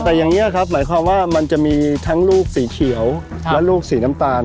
แต่อย่างนี้ครับหมายความว่ามันจะมีทั้งลูกสีเขียวและลูกสีน้ำตาล